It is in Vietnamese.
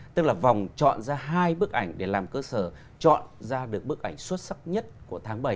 tức là vòng chọn ra hai bức ảnh để làm cơ sở chọn ra được bức ảnh xuất sắc nhất của tháng bảy